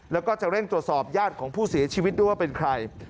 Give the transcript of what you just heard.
แล้วก็จะเร่งตรวจสอบญาติของผู้เสียชีวิตด้วยว่าเป็นใคร